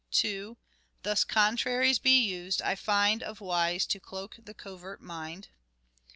Oxford. 2. " Thus contraries be used, I find, Of wise, to cloak the covert mind."